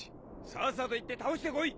さっさと行って倒してこい！